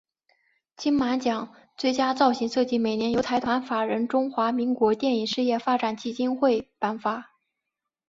金马奖最佳造型设计每年由财团法人中华民国电影事业发展基金会颁发。